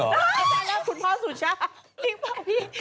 นั่นคุณพ่อสุชาติ